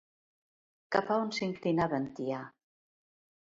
Cap a on s'inclinava en Tià?